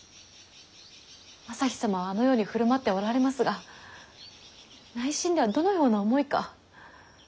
旭様はあのように振る舞っておられますが内心ではどのような思いか。